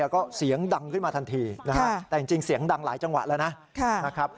ก็เสียงดังขึ้นมาทันทีนะฮะแต่จริงเสียงดังหลายจังหวะแล้วนะครับ